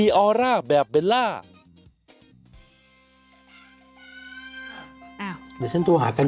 นางยังอยู่พุทธอาหารอยู่หรอ